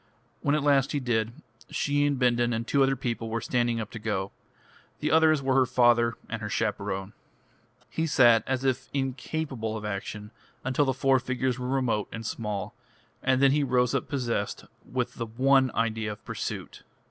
When at last he did, she and Bindon and two other people were standing up to go. The others were her father and her chaperone. He sat as if incapable of action until the four figures were remote and small, and then he rose up possessed with the one idea of pursuit.